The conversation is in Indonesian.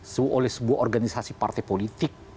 sebuah organisasi partai politik